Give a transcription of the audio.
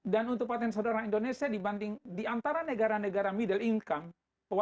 dan untuk patent sederhana indonesia dibanding diantara negara negara middle income